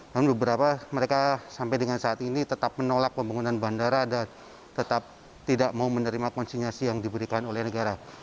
namun beberapa mereka sampai dengan saat ini tetap menolak pembangunan bandara dan tetap tidak mau menerima konsinyasi yang diberikan oleh negara